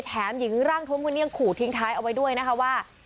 หญิงร่างทวมคนนี้ยังขู่ทิ้งท้ายเอาไว้ด้วยนะคะว่า